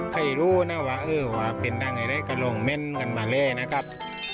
ใครรู้นะว่าเออว่าเป็นนางอะไรก็ลงเม่นกันมาเลยนะครับ